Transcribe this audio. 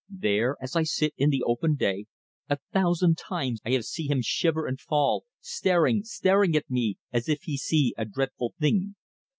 There, as I sit in the open day, a thousand times I have see him shiver and fall, staring, staring at me as if he see a dreadful thing.